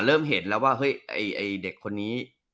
เริ่มเห็นแล้วว่าเฮ้ยไอ้เด็กคนนี้